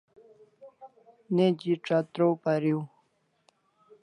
Neji chatraw pariu